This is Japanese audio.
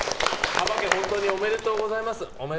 幅家本当におめでとうございます。